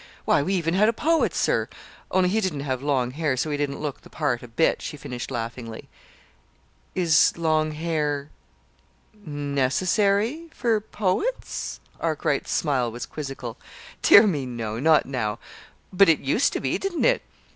Why, we even had a poet, sir only he didn't have long hair, so he didn't look the part a bit," she finished laughingly. "Is long hair necessary for poets?" Arkwright's smile was quizzical. "Dear me, no; not now. But it used to be, didn't it?